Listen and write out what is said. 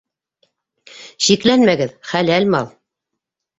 Шикләнмәгеҙ, хәләл мал.